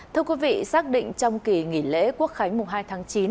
thưa quý vị xác định trong kỳ nghỉ lễ quốc khánh mùng hai tháng chín